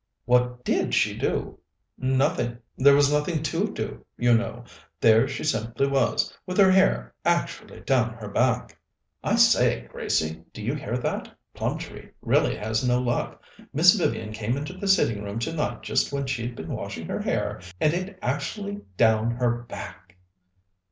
"What did she do?" "Nothing. There was nothing to do, you know; there she simply was, with her hair actually down her back!" "I say, Gracie, do you hear that? Plumtree really has no luck. Miss Vivian came into the sitting room tonight just when she'd been washing her hair, and had it actually down her back."